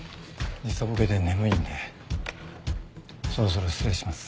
時差ボケで眠いんでそろそろ失礼します。